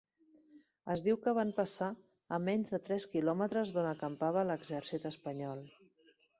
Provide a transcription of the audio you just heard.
Es diu que van passar a menys de tres quilòmetres d'on acampava l'exèrcit espanyol.